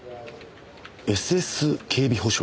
「ＳＳ警備保障」。